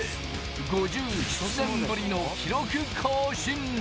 ５７年ぶりの記録更新。